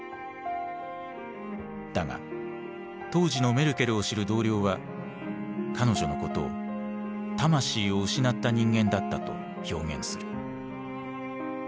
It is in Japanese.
だが当時のメルケルを知る同僚は彼女のことを魂を失った人間だったと表現する。